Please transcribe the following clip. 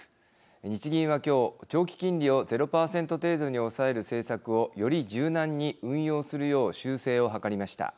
日銀は今日長期金利を０％程度に抑える政策をより柔軟に運用するよう修正を図りました。